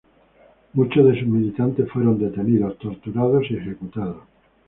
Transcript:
Muchos de sus militantes fueron detenidos, torturados y ejecutados.